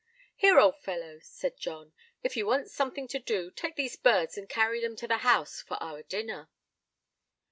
"Here, old fellow," said John; "if you want something to do, take these birds and carry them to the house, for our dinner."